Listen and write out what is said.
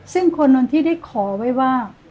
ซึ่งโคนนทิได้ขอไว้ว่า